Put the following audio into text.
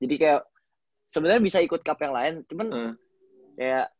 kayak sebenarnya bisa ikut cup yang lain cuman kayak